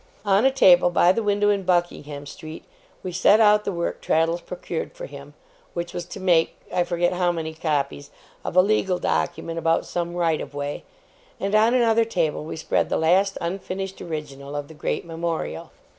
On a table by the window in Buckingham Street, we set out the work Traddles procured for him which was to make, I forget how many copies of a legal document about some right of way and on another table we spread the last unfinished original of the great Memorial.